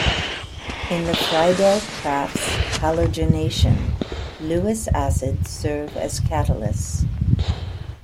In the Friedel-Crafts halogenation, Lewis acids serve as catalysts.